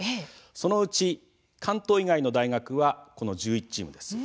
そのうち、関東以外の大学はこの１１チームです。